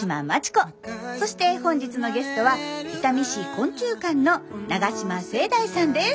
そして本日のゲストは伊丹市昆虫館の長島聖大さんです！